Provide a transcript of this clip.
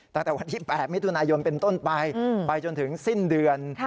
ตั้งแต่วันที่๘มิถุนายนเป็นต้นไปไปจนถึงสิ้นเดือน